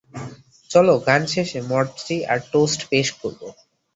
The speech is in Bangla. চলো, গান শেষে মটজি আর টোস্ট পেশ করবো।